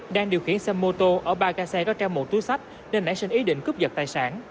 đang điều khiển xe mô tô ở ba ca xe có treo một túi sách nên đã xin ý định cướp giật tài sản